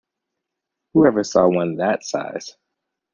Who ever saw one that size?